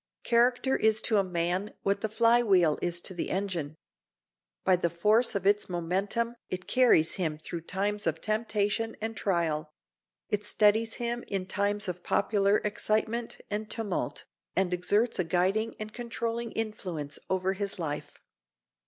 Character is to a man what the fly wheel is to the engine. By the force of its momentum it carries him through times of temptation and trial; it steadies him in times of popular excitement and tumult, and exerts a guiding and controlling influence over his life.